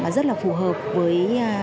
rất là phù hợp với